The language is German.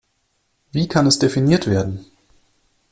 Wie kann es definiert werden?